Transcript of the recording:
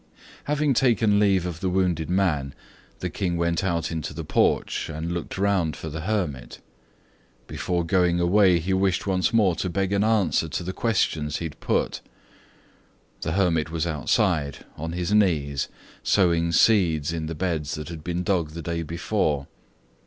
Having taken leave of the wounded man, the King went out into the porch and looked around for the hermit. Before going away he wished once more to beg an answer to the questions he had put. The hermit was outside, on his knees, sowing seeds in the beds that had been dug the day before.